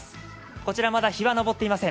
こちらまだ日は昇っていません。